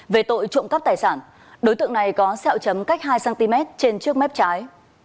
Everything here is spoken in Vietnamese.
về tội trộm cắp tài sản đối tượng này có xeo chấm cách hai cm trên trước mép trái